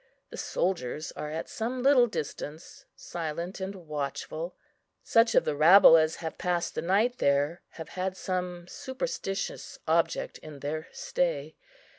The soldiers are at some little distance, silent and watchful; such of the rabble as have passed the night there have had some superstitious object in their stay.